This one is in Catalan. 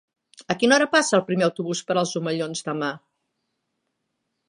A quina hora passa el primer autobús per els Omellons demà?